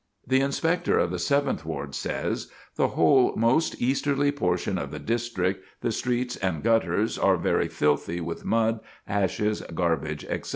The Inspector of the Seventh Ward says: "The whole most easterly portion of the district, the streets and gutters are very filthy with mud, ashes, garbage, etc."